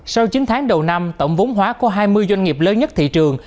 sau chín tháng đầu năm tổng vốn hóa của hai mươi doanh nghiệp lớn nhất thị trường